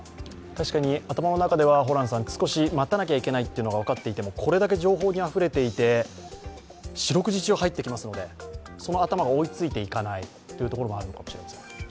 確かに頭の中では少し待たなきゃいけないということが分かっていてもこれだけ情報にあふれていて四六時中入ってきますのでその頭が追いついていかないというところもあるかもしれません。